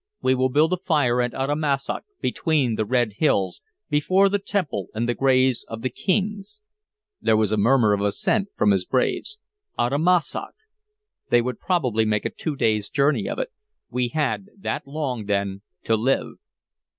We will build a fire at Uttamussac, between the red hills, before the temple and the graves of the kings." There was a murmur of assent from his braves. Uttamussac! They would probably make a two days' journey of it. We had that long, then, to live.